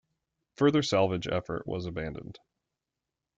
Further salvage effort was abandoned.